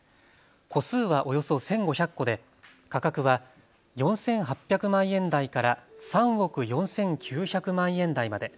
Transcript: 戸数はおよそ１５００戸で価格は４８００万円台から３億４９００万円台まで。